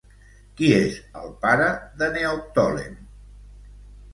Qui és el pare de Neoptòlem?